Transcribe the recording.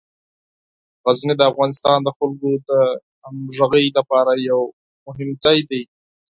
غزني د افغانستان د خلکو د همغږۍ لپاره یو مهم ځای دی.